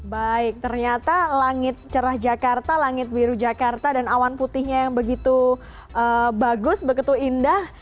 baik ternyata langit cerah jakarta langit biru jakarta dan awan putihnya yang begitu bagus begitu indah